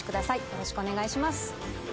よろしくお願いします